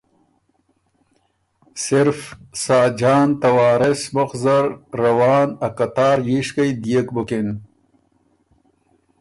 صرف ساجان ته وارث مُخ زر روان ا قطار ييشکئ دئېک بُکِن